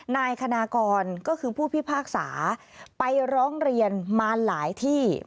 นายคณากรก็คือผู้พิพากษาไปร้องเรียนมาหลายที่